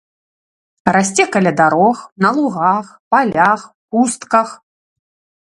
Расце каля дарог, на лугах, палях, пустках.